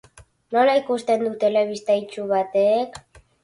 Nola ikusten du telebista itsu batek?